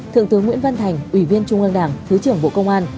thượng tướng nguyễn văn thành ủy viên trung ương đảng thứ trưởng bộ công an